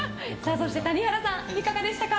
そして、谷原さんいかがでしたか？